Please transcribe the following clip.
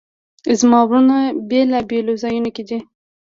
زما وروڼه په بیلابیلو ځایونو کې دي